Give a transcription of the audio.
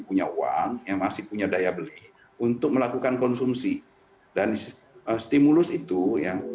punya uang yang masih punya daya beli untuk melakukan konsumsi dan stimulus itu ya